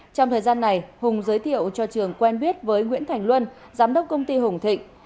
trong thời gian này hùng giới thiệu cho trường quen biết với nguyễn thành luân giám đốc công ty hùng thịnh